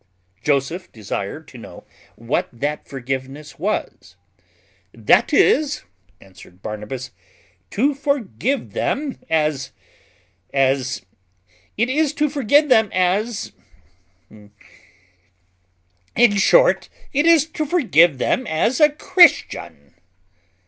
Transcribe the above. Joseph desired to know what that forgiveness was. "That is," answered Barnabas, "to forgive them as as it is to forgive them as in short, it is to forgive them as a Christian."